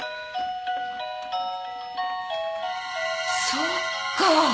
・そっか！